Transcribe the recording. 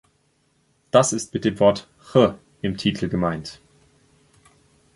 Das ist mit dem Wort „he 合“ im Titel gemeint.